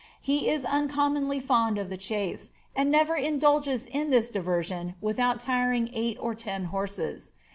He is uncom monly fond of the chase, and never indulges in this diversion without tiring eight or ten horses.